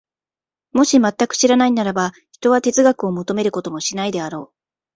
もし全く知らないならば、ひとは哲学を求めることもしないであろう。